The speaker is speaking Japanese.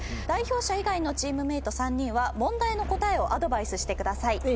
代表者以外のチームメート３人は問題の答えをアドバイスしてください。